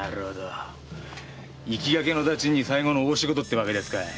行きがけの駄賃に最後の大仕事ってわけですか。